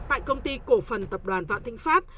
tại công ty cổ phần tập đoàn vạn thịnh pháp